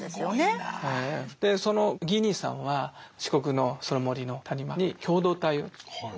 そのギー兄さんは四国のその森の谷間に共同体をつくった。